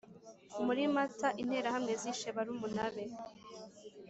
muri mata interahamwe zishe barumuna be,